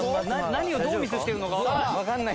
何をどうミスしてるのかわからない。